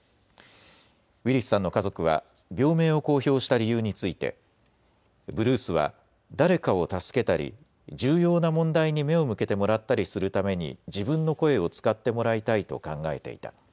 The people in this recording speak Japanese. ウィリスさんの家族は病名を公表した理由についてブルースは誰かを助けたり重要な問題に目を向けてもらったりするために自分の声を使ってもらいたいと考えていた。